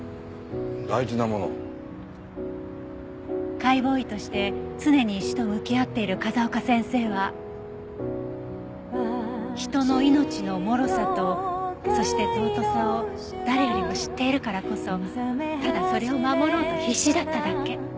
解剖医として常に死と向き合っている風丘先生は人の命のもろさとそして尊さを誰よりも知っているからこそただそれを守ろうと必死だっただけ。